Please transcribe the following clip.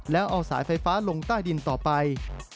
แล้วเอาสายไฟฟ้าลงใต้ดินต่อไป